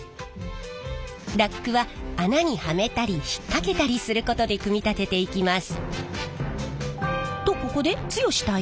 ラックは穴にはめたり引っ掛けたりすることで組み立てていきます。